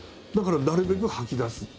だからなるべく吐き出す。